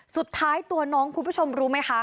สุดท้ายตัวน้องคุณผู้ชมรู้ไหมคะ